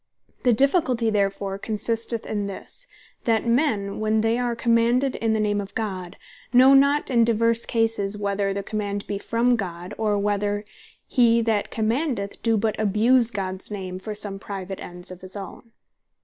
The difficulty therefore consisteth in this, that men when they are commanded in the name of God, know not in divers Cases, whether the command be from God, or whether he that commandeth, doe but abuse Gods name for some private ends of his own.